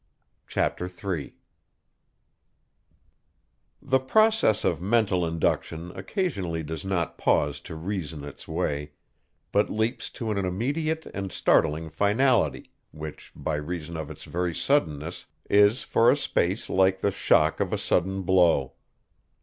CHAPTER III The process of mental induction occasionally does not pause to reason its way, but leaps to an immediate and startling finality, which, by reason of its very suddenness, is for a space like the shock of a sudden blow.